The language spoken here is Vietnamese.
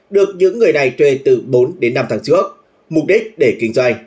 được những người này thuê từ bốn đến năm tháng trước mục đích để kinh doanh